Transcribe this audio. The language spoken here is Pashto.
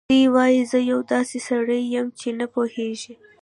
دی وايي: "زه یو داسې سړی یم چې نه پوهېږي